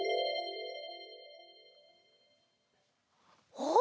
おっ！